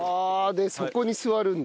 でそこに座るんだ？